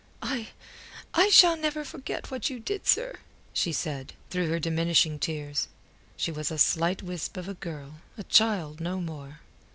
"I... I shall never forget what you did, sir," said she, through her diminishing tears. She was a slight wisp of a girl, a child, no more.